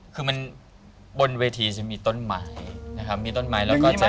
คือมันบนเวทีจะมีต้นไม้นะครับมีต้นไม้แล้วก็จะ